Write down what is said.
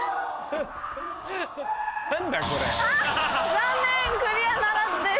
残念クリアならずです。